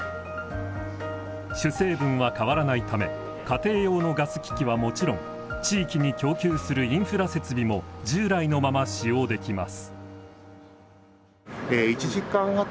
主成分は変わらないため家庭用のガス機器はもちろん地域に供給するインフラ設備も従来のまま使用できます。